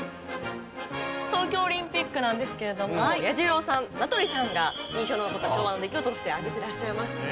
東京オリンピックなんですけれども彌十郎さん名取さんが印象に残った昭和の出来事として挙げてらっしゃいました。